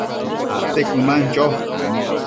acte cuëman cho